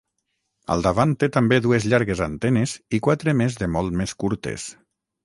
Al davant té també dues llargues antenes i quatre més de molt més curtes.